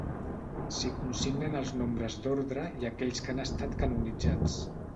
S'hi consignen els nombres d'ordre i aquells que han estat canonitzats.